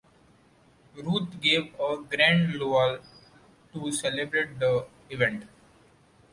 Ruth gave a grand luau to celebrate the event.